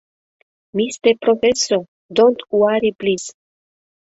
Мисте профессо, донт уари плиз.